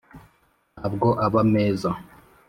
ntabwo aba meza